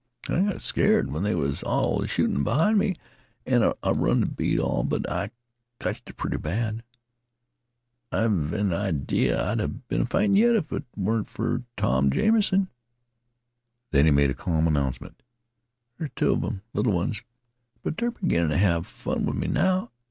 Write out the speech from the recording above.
I got skeared when they was all a shootin' b'hind me an' I run t' beat all, but I cotch it pretty bad. I've an idee I'd a' been fightin' yit, if t'was n't fer Tom Jamison." Then he made a calm announcement: "There's two of 'em little ones but they 're beginnin' t' have fun with me now.